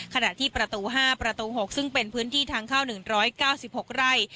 ขณะที่ประตู๕ประตู๖ซึ่งเป็นพื้นที่ทางเข้า๑๙๖ไร่